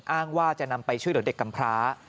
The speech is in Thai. อ้างว่าจะนำไปช่วยเด็กกำพลา